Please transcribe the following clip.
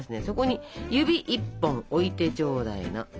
そこに指１本置いてちょうだいな。